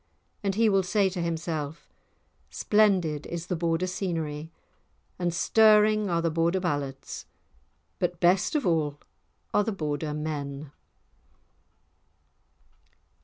And he will say to himself: Splendid is the Border scenery, and stirring are the Border ballads, but best of all are the Border men.